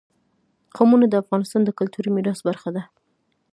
قومونه د افغانستان د کلتوري میراث برخه ده.